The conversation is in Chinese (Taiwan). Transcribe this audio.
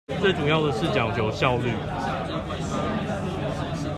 最主要的是講求效率